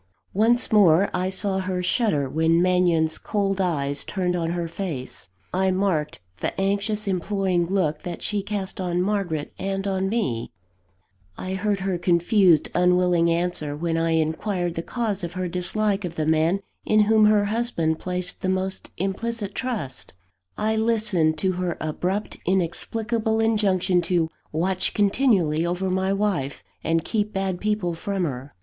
Once more, I saw her shudder when Mannion's cold eyes turned on her face I marked the anxious, imploring look that she cast on Margaret and on me I heard her confused, unwilling answer, when I inquired the cause of her dislike of the man in whom her husband placed the most implicit trust I listened to her abrupt, inexplicable injunction to "watch continually over my wife, and keep bad people from her."